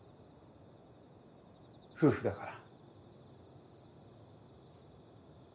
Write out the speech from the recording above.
夫婦だから。